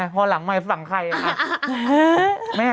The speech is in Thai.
พอหลังใหม่ฝั่งใครคะ